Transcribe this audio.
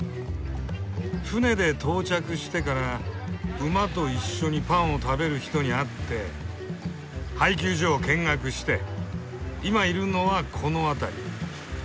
船で到着してから馬と一緒にパンを食べる人に会って配給所を見学して今いるのはこの辺り。